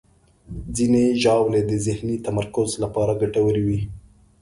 ځینې ژاولې د ذهني تمرکز لپاره ګټورې وي.